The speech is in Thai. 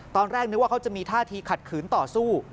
ตอนแรกนึกว่าเขาจะมีท่าทีขัดขืนต่อสู้